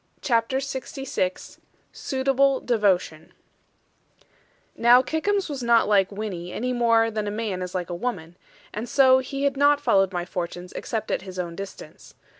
CHAPTER LXVI SUITABLE DEVOTION Now Kickums was not like Winnie, any more than a man is like a woman; and so he had not followed my fortunes, except at his own distance.